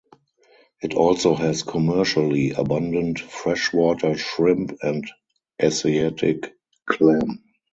It also has commercially abundant freshwater shrimp and Asiatic clam.